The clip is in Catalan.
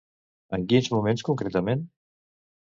En quins moments concretament?